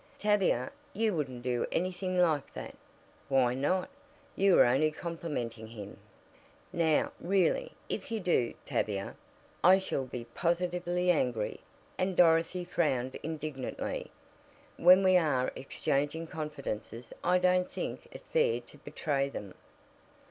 "Tavia! you wouldn't do anything like that!" "Why not? You were only complimenting him." "Now, really, if you do, Tavia, I shall be positively angry," and Dorothy frowned indignantly. "When we are exchanging confidences I don't think it fair to betray them."